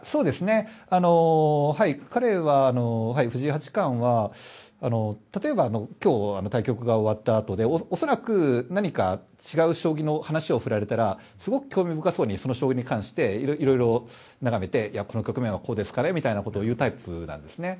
藤井八冠は例えば今日の対局が終わったあと恐らく、何か違う将棋の話を振られたら、すごく興味深そうにその将棋に対していろいろ眺めてこの局面はこうですねとか言うタイプなんですよね。